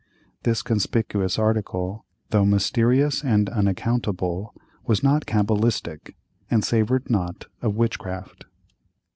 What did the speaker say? This conspicuous article, though mysterious and unaccountable, was not cabalistic, and savored not of witchcraft.